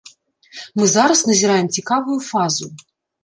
Мы зараз назіраем цікавую фазу.